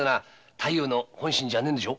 太夫の本心じゃねえんでしょ。